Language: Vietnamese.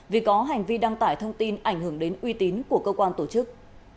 vì có hành vi đăng tải thông tin ảnh hưởng đến uy tín của cơ quan tổ chức